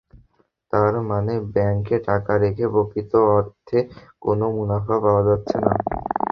তার মানে, ব্যাংকে টাকা রেখে প্রকৃত অর্থে কোনো মুনাফা পাওয়া যাচ্ছে না।